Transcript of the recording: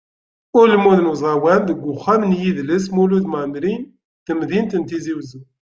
Ulmud n uẓawan deg uxxam n yidles Mulud Mɛemmri n temdint n Tizi Uzzu.